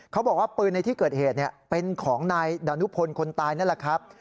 เขาบอกว่าปืนในที่เกิดเหตุเป็นของนายดานุพลคนตายนั่นแหละครับ